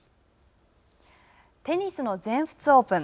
テニスの全仏オープン。